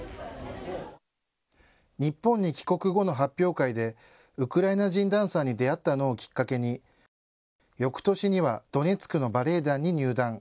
日本に帰国後の発表会でウクライナ人ダンサーに出会ったのをきっかけによくとしにはドネツクのバレエ団に入団。